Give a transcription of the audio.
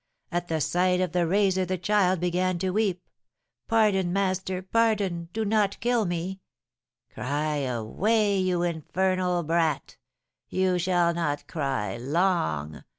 At the sight of the razor the child began to weep. 'Pardon, master! Pardon! Do not kill me!' 'Cry away, you infernal brat! You shall not cry long!'